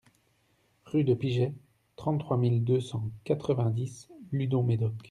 Rue de Piget, trente-trois mille deux cent quatre-vingt-dix Ludon-Médoc